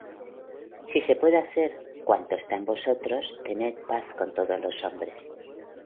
Si se puede hacer, cuanto está en vosotros, tened paz con todos los hombres.